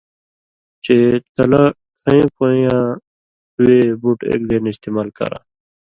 چے تلہ کھَیں پویں یاں وے بُٹ اېک زئ نہ استعمال کراں۔